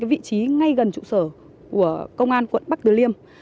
vị trí ngay gần trụ sở của công an quận bắc từ liêm